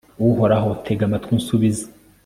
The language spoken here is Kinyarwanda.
uhoraho, tega amatwi, unsubize